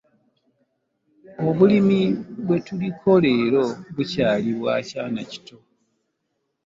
Obulimi bwe tuliko leero bukyali bwa kyana kito.